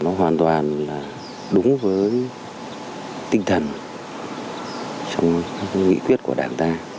nó hoàn toàn là đúng với tinh thần trong các nghị quyết của đảng ta